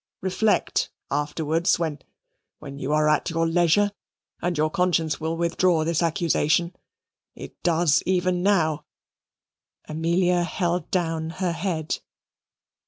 Reflect, afterwards when when you are at leisure, and your conscience will withdraw this accusation. It does even now." Amelia held down her head.